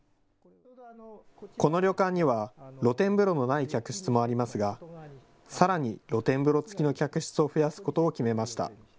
この旅館には露天風呂のない客室もありますがさらに露天風呂付きの客室を増やすことを決めました。